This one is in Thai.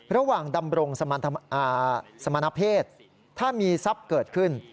ดำรงสมณเพศถ้ามีทรัพย์เกิดขึ้น